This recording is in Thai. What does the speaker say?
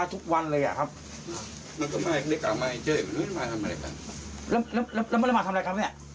หนึ่งเป็นราค